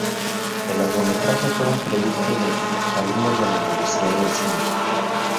El largometraje fue un producto de alumnos de la Universidad del Cine.